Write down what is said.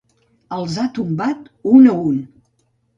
Els ha tombat un a un.